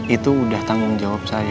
itu udah tanggung jawab saya